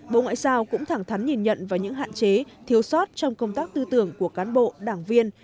bộ ngoại giao cũng thẳng thắn nhìn nhận vào những hạn chế thiếu sót trong công tác tư tưởng của cán bộ đảng viên